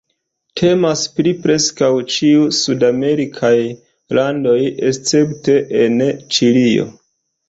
Temas pri preskaŭ ĉiu sudamerikaj landoj escepte en Ĉilio.